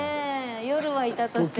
夜はいたとしても。